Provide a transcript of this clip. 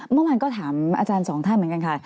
เมื่อวานก็ถามอาจารย์สองท่านเหมือนกันค่ะ